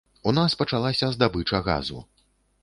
У нас пачалася здабыча газу.